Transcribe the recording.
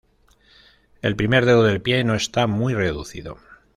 El primer dedo del pie no está muy reducido.